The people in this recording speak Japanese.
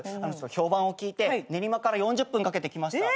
評判を聞いて練馬から４０分かけて来ました。